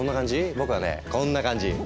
僕はねこんな感じ。